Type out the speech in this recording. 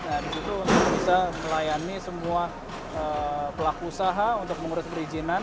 nah disitu bisa melayani semua pelaku usaha untuk mengurus perizinan